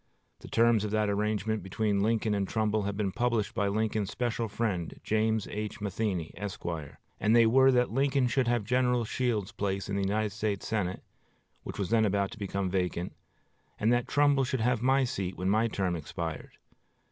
The terms of that arrangement between Lincoln and Trumbull have been published by Lincoln's special friend, James H. Matheny, Esq.; and they were that Lincoln should have General Shields' place in the United States Senate, which was then about to become vacant, and that Trumbull should have my seat when my term expired.